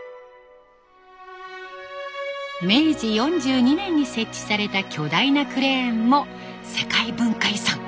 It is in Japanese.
明治４２年に設置された巨大なクレーンも世界文化遺産！